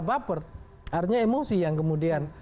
baper artinya emosi yang kemudian